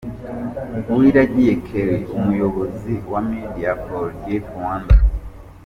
Uwiragiye Kellya umuyobozi wa Media for Deaf Rwanda